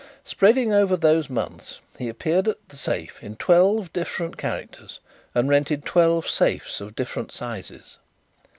Spreading over those months he appeared at 'The Safe' in twelve different characters and rented twelve safes of different sizes.